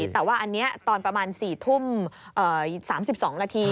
แต่ว่าอันนี้ตอนประมาณ๔ทุ่ม๓๒นาที